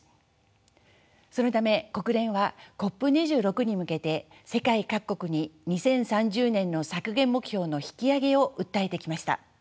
そのため国連はＣＯＰ２６に向けて世界各国に２０３０年の削減目標の引き上げを訴えてきました。